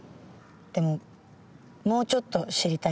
でももうちょっと知りたいかも。